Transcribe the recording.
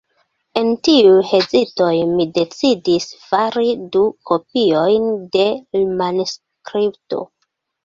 En tiuj hezitoj, mi decidis fari du kopiojn de l' manuskripto.